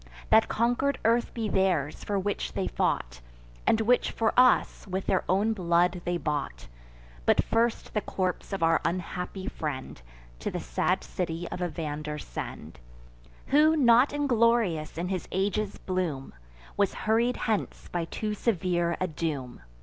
That conquer'd earth be theirs, for which they fought, And which for us with their own blood they bought; But first the corpse of our unhappy friend To the sad city of Evander send, Who, not inglorious, in his age's bloom, Was hurried hence by too severe a doom."